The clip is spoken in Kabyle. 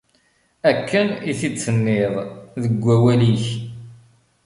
Akken i t-id-tenniḍ deg wawal-ik.